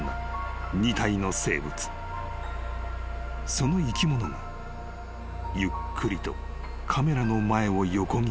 ［その生き物がゆっくりとカメラの前を横切っていく］